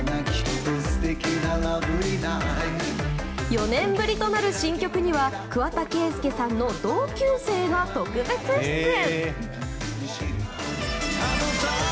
４年ぶりとなる新曲には桑田佳祐さんの同級生が特別出演。